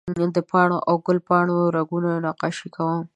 د پاڼو او ګل پاڼو رګونه نقاشي کوم